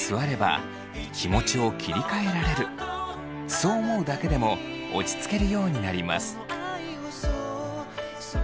そう思うだけでも落ち着けるようになります。